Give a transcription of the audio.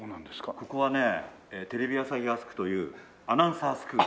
ここはねテレビ朝日アスクというアナウンサースクール。